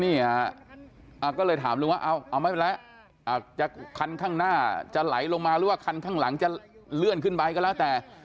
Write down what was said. ก็เลยถามลุงว่าเอาไม่เป็นไรคันข้างหน้าจะไหลลงมาหรือว่าคันข้างหลังจะเลื่อนขึ้นไปก็แล้วแต่